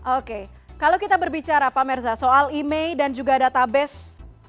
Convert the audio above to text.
oke kalau kita berbicara pak merza soal imei dan juga database